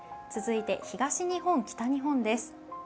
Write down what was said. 続いて東日本、北日本です。